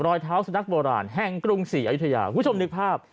รอยเท้าสุนัขโบราณแห่งกรุงศรีอยุธยาคุณผู้ชมนึกภาพ